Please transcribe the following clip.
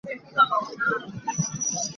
Nihin cu na paak hi ta!